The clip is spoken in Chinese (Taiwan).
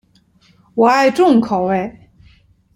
我愛重口味